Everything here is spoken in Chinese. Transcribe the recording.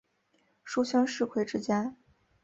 书香世胄之家。